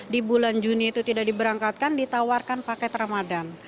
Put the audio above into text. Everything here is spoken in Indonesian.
di bulan juni itu tidak diberangkatkan ditawarkan paket ramadan